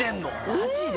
マジで？